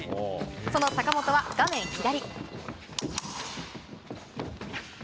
その坂本は画面左。